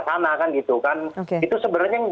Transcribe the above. sana kan gitu kan itu sebenarnya yang